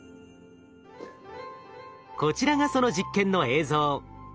こちらがその実験の映像。